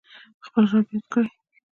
خپل رب یاد کړئ